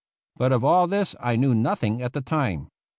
But of all this I knew nothing at the time.